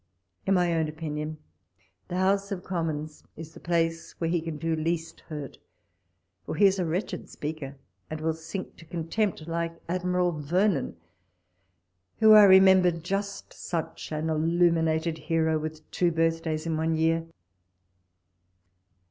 In my own opinion, the House of Commons is the place where he can do the least hurt, for he is a wretched speaker, and will sink to contempt, like Admiral Vernon, who I remember just such an illuminated hero, with two birthdays in one year.